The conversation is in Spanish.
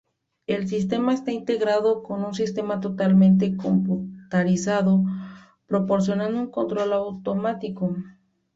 El sistema está integrado con un sistema totalmente computarizado, proporcionando un control automático.